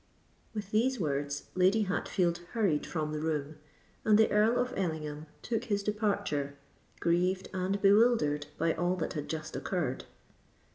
With these words, Lady Hatfield hurried from the room; and the Earl of Ellingham took his departure, grieved and bewildered by all that had just occurred.